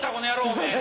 おめぇえ？